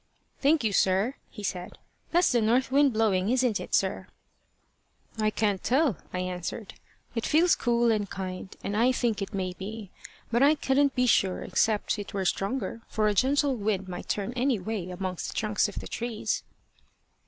"Thank you, sir," he said. "That's the north wind blowing, isn't it, sir?" "I can't tell," I answered. "It feels cool and kind, and I think it may be. But I couldn't be sure except it were stronger, for a gentle wind might turn any way amongst the trunks of the trees."